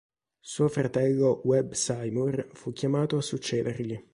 Suo fratello Webb Seymour fu chiamato a succedergli.